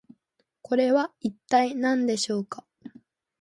これは一体何でしょうか？